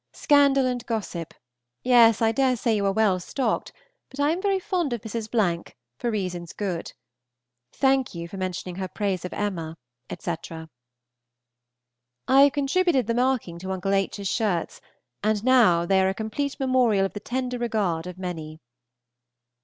Scandal and gossip; yes, I dare say you are well stocked, but I am very fond of Mrs. for reasons good. Thank you for mentioning her praise of "Emma," etc. I have contributed the marking to Uncle H.'s shirts, and now they are a complete memorial of the tender regard of many.